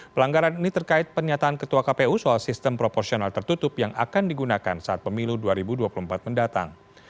pelanggaran ini terkait pernyataan ketua kpu soal sistem proporsional tertutup yang akan digunakan saat pemilu dua ribu dua puluh empat mendatang